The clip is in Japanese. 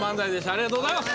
ありがとうございます！